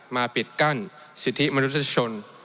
ปิดกั้นสิทธิมนุษยชน